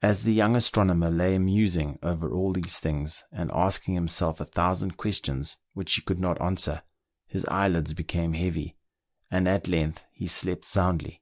As the young astronomer lay musing over all these things, and asking himself a thousand questions which he could not answer, his eyelids became heavy, and at length he slept soundly.